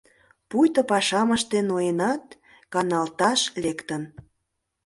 Пуйто пашам ыштен ноенат, каналташ лектын.